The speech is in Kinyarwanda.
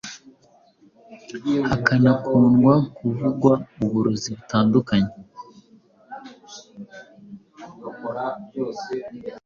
hakanakundwa kuvugwa uburozi butandukanye ,